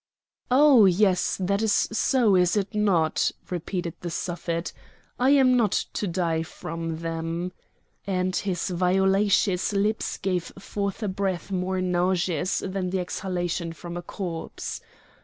"Oh! yes, that is so, is it not?" repeated the Suffet, "I am not to die from them!" And his violaceous lips gave forth a breath more nauseous than the exhalation from a corpse.